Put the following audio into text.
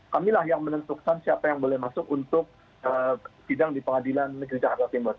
kamilah yang menentukan siapa yang boleh masuk untuk sidang di pengadilan negeri jakarta timur